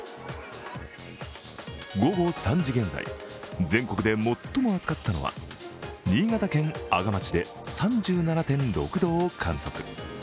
午後３時現在、全国で最も暑かったのは新潟県阿賀町で３７．６度を観測。